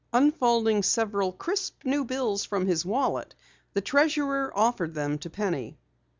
Unfolding several crisp new bills from his wallet, the treasurer offered them to Penny.